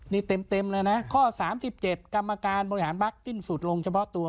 นี่เต็มเลยนะข้อ๓๗กรรมการบริหารพักสิ้นสุดลงเฉพาะตัว